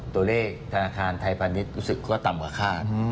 ตัวเลขธนาคารไทยพาณิชย์รู้สึกว่าต่ำกว่าคาด